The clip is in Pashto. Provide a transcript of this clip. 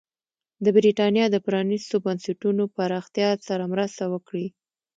د برېټانیا د پرانېستو بنسټونو پراختیا سره مرسته وکړي.